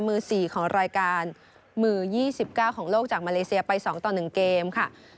มือ๔ของรายการมือ๒๙ของโลกจากมาเลเซียไป๒ต่อ๑เกมค่ะ